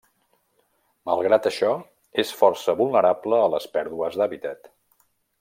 Malgrat això, és força vulnerable a les pèrdues d'hàbitat.